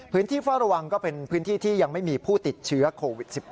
เฝ้าระวังก็เป็นพื้นที่ที่ยังไม่มีผู้ติดเชื้อโควิด๑๙